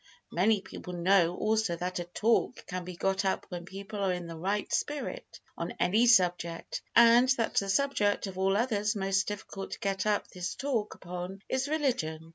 Many people know, also, that "a talk" can be got up when people are in the right spirit, on any subject, and that the subject of all others most difficult to get up this "talk" upon, is religion.